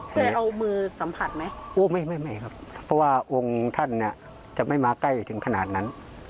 เคยเอามือสัมผัสไหมโอ้ไม่ไม่ครับเพราะว่าองค์ท่านเนี่ยจะไม่มาใกล้ถึงขนาดนั้น